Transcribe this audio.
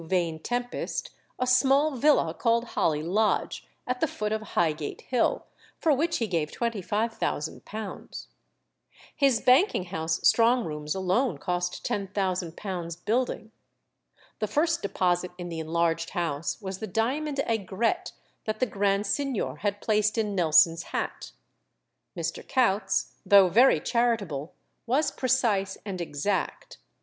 Vane Tempest, a small villa called Holly Lodge, at the foot of Highgate Hill, for which he gave £25,000. His banking house strong rooms alone cost £10,000 building. The first deposit in the enlarged house was the diamond aigrette that the Grand Signor had placed in Nelson's hat. Mr. Coutts, though very charitable, was precise and exact.